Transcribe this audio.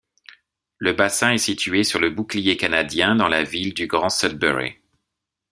Le bassin est situé sur le Bouclier canadien dans la ville de Grand Sudbury.